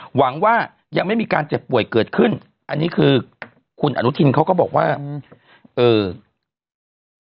หวังว่ายังไม่มีการเจ็บป่วยเกิดขึ้นอันนี้คือคุณอนุทินเขาก็บอกว่า